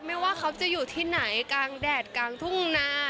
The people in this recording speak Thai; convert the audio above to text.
ไม่ว่าเขาจะอยู่ที่ไหนกลางแดดกลางทุ่งนา